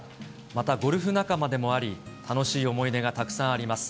また、ゴルフ仲間でもあり、楽しい思い出がたくさんあります。